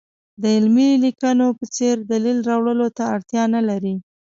د علمي لیکنو په څېر دلیل راوړلو ته اړتیا نه لري.